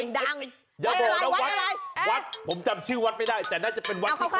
ดูตลอด